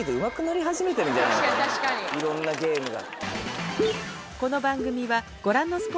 いろんなゲームが。